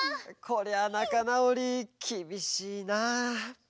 こりゃなかなおりきびしいなあ。